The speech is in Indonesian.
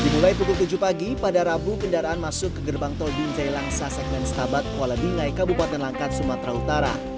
dimulai pukul tujuh pagi pada rabu kendaraan masuk ke gerbang tol binjai langsa segmen stabat kuala bingai kabupaten langkat sumatera utara